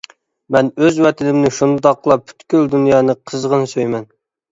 مەن ئۆز ۋەتىنىمنى شۇنداقلا پۈتكۈل دۇنيانى قىزغىن سۆيىمەن.